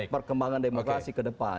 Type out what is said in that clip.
perkembangan demokrasi ke depan